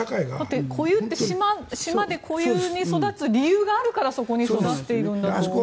だって固有って島で固有に育つ理由があるからそこに育っているんだと思うんですよね。